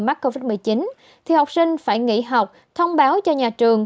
mắc covid một mươi chín thì học sinh phải nghỉ học thông báo cho nhà trường